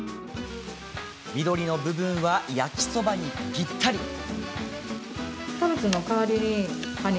緑の部分は焼きそばにぴったり。